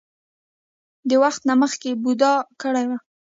د وخت نه مخکښې بوډا کړے وۀ ـ